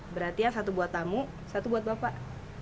berarti ya satu buat tamu satu buat bapak